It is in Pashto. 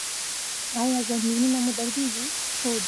ایا زنګونونه مو دردیږي؟